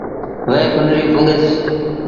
وهي ڪنريٚ پُڳس۔